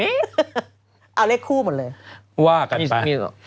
เอาเลขคู่หมดเลย